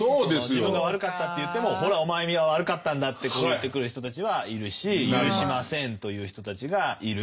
自分が悪かったっていってもほらお前が悪かったんだって言ってくる人たちはいるし赦しませんという人たちがいる。